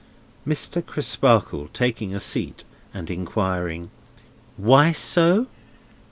Mr. Crisparkle taking a seat, and inquiring: "Why so?"